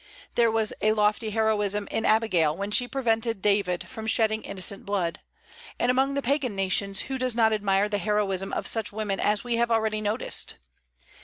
There was a lofty heroism in Abigail, when she prevented David from shedding innocent blood. And among the Pagan nations, who does not admire the heroism of such women as we have already noticed?